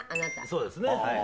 そうですねはい。